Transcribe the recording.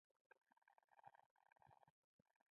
که د زیمبابوې غمیزه یو مثال وګڼو زیاتی به مو کړی وي.